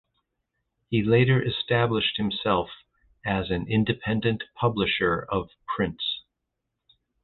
He later established himself as an independent publisher of prints.